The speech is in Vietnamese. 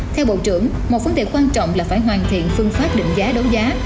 theo bộ trưởng một vấn đề quan trọng là phải hoàn thiện phương pháp định giá đấu giá